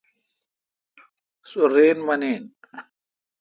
سو راین مانین۔